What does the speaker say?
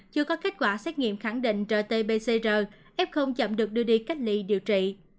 chưa có kết quả xét nghiệm khẳng định rt pcr f chậm được đưa đi cách ly điều trị